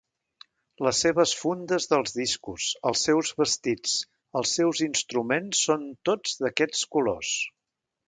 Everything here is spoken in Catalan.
Les seves fundes dels discos, els seus vestits, els seus instruments són tots d'aquests colors.